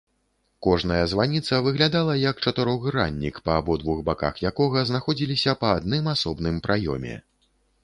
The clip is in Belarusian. Кожная званіца выглядала як чатырохграннік, па абодвух баках якога знаходзіліся па адным асобным праёме.